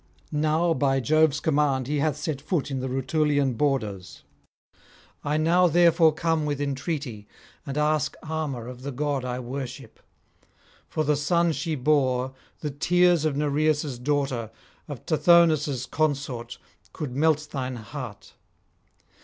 Now by Jove's commands he hath set foot in the Rutulian borders; I now therefore come with entreaty, and ask armour of the god I worship. For the son she bore, the tears of Nereus' daughter, of Tithonus' consort, could melt thine heart.